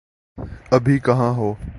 ابھی کہاں ہو؟